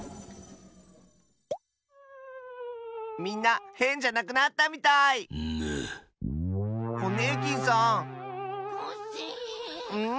みんなヘンじゃなくなったみたい！ぬ。